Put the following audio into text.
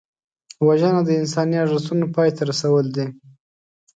وژنه د انساني ارزښتونو پای ته رسول دي